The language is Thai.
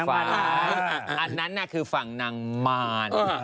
อันนั้นคือฝั่งนางมาร